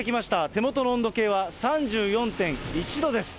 手元の温度計は３４．１度です。